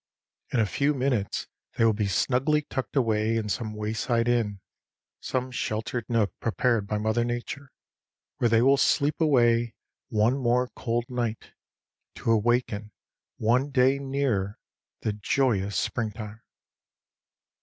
In a few minutes they will be snugly tucked away in some wayside inn, some sheltered nook prepared by Mother Nature, where they will sleep away one more cold night, to awaken one day nearer the joyous springtime.